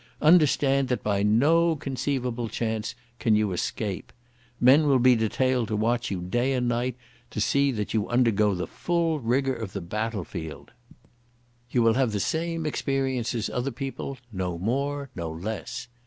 Understand that by no conceivable chance can you escape. Men will be detailed to watch you day and night and to see that you undergo the full rigour of the battlefield. You will have the same experience as other people, no more, no less.